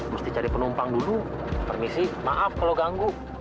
mesti cari penumpang dulu permisi maaf kalau ganggu